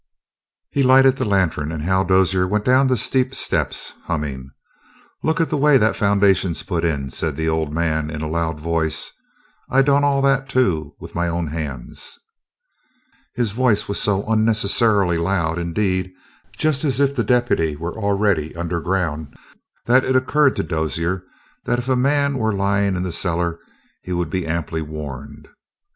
He lighted the lantern, and Hal Dozier went down the steep steps, humming. "Look at the way that foundation's put in," said the old man in a loud voice. "I done all that, too, with my own hands." His voice was so unnecessarily loud, indeed, just as if the deputy were already under ground, that it occurred to Dozier that if a man were lying in that cellar he would be amply warned.